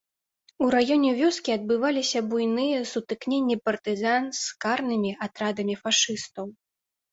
У раёне вёскі адбываліся буйныя сутыкненні партызан з карнымі атрадамі фашыстаў.